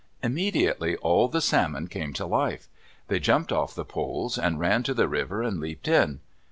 Immediately all the salmon came to life. They jumped off the poles and ran to the river and leaped in.